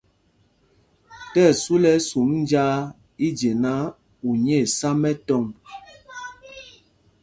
Tí ɛsu lɛ́ ɛsum njāā i je náǎ, u nyɛ̄ɛ̄ sá mɛtɔŋ.